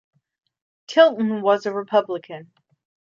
Tilton was a Republican.